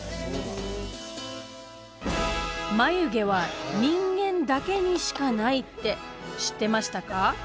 眉毛は人間だけにしかないって知ってましたか？